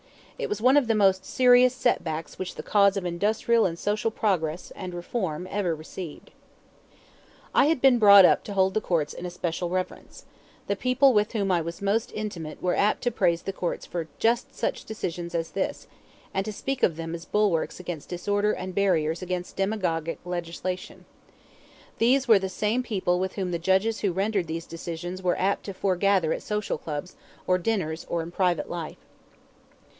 It was one of the most serious setbacks which the cause of industrial and social progress and reform ever received. I had been brought up to hold the courts in especial reverence. The people with whom I was most intimate were apt to praise the courts for just such decisions as this, and to speak of them as bulwarks against disorder and barriers against demagogic legislation. These were the same people with whom the judges who rendered these decisions were apt to foregather at social clubs, or dinners, or in private life.